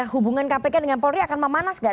hubungan kpk dengan polri akan memanas gak